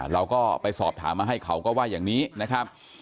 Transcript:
เราก็ไปสอบถามมาให้เขาก็ว่าอย่างนี้นะครับ